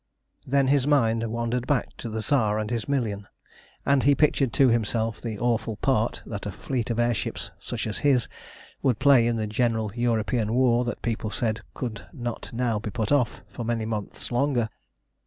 Then his mind wandered back to the Tsar and his million, and he pictured to himself the awful part that a fleet of air ships such as his would play in the general European war that people said could not now be put off for many months longer.